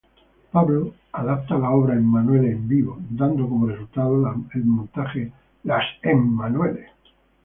Pablo adapta la obra "Emanuele en vivo", dando como resultado el montaje "Las Emanuele".